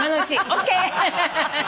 ＯＫ！